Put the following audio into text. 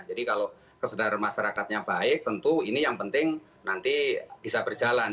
jadi kalau kesadaran masyarakatnya baik tentu ini yang penting nanti bisa berjalan